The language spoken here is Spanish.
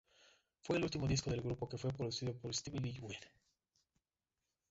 Fue el último disco del grupo que fue producido por Steve Lillywhite.